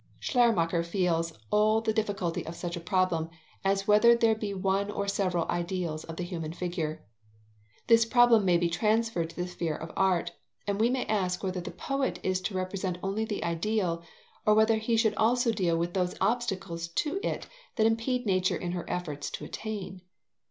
Schleiermacher feels all the difficulty of such a problem as whether there be one or several ideals of the human figure. This problem may be transferred to the sphere of art, and we may ask whether the poet is to represent only the ideal, or whether he should also deal with those obstacles to it that impede Nature in her efforts to attain.